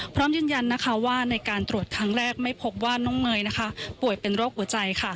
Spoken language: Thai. พร้อมยืนยันว่าในการตรวจครั้งแรกไม่พบว่าน้องเนยป่วยเป็นโรคหัวใจ